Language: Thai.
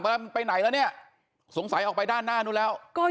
ค่ะอืมทีมข่าวของเราก็เลยลงพื้นที่ไปที่จุดเกิดเหตุซอยเจริญกรุง